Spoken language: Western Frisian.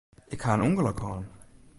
Ik ha in ûngelok hân.